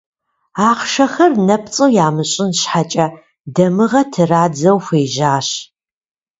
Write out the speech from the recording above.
Ахъшэхэр нэпцӏу ямыщӏын щхьэкӏэ, дамыгъэ традзэу хуежьащ.